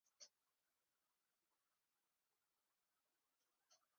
Limited in located just outside city.